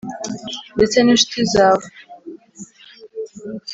ndetse n'inshuti zawe.